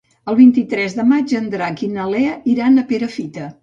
El vint-i-tres de maig en Drac i na Lea iran a Perafita.